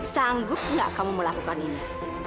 sanggup gak kamu melakukan ini